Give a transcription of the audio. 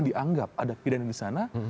dianggap ada pidana di sana